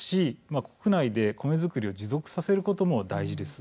国内で米作りを持続させることも大事です。